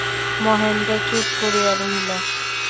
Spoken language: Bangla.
মহেন্দ্র চুপ করিয়া রহিল।